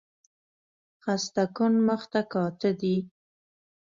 خسته کن مخ ته کاته دي